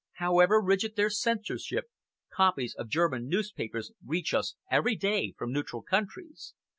However rigid their censorship, copies of German newspapers reach us every day from neutral countries.